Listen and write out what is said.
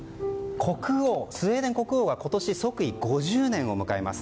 スウェーデン国王が今年即位５０年を迎えます。